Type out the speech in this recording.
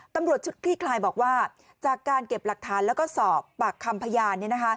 ตำรวจชุดคลี่คลายบอกว่าจากการเก็บหลักฐานแล้วก็สอบปากคำพยาน